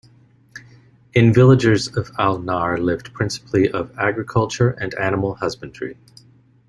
In villagers of Al-Nahr lived principally of agriculture and animal husbandry.